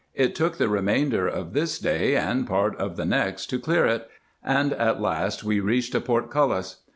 It took the remainder of this day and part of the next to clear it, and at last we reached a portcullis.